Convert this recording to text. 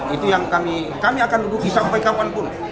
itu yang kami akan duduki sampai kapanpun